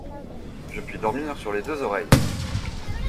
Je puis dormir sur les deux oreilles!